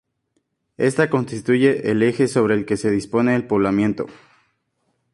Ésta constituye el eje sobre el que se dispone el poblamiento.